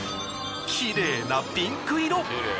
きれいなピンク色。